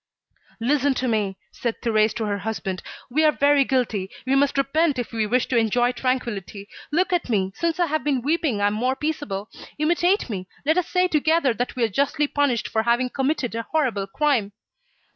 "Listen to me," said Thérèse to her husband, "we are very guilty. We must repent if we wish to enjoy tranquillity. Look at me. Since I have been weeping I am more peaceable. Imitate me. Let us say together that we are justly punished for having committed a horrible crime."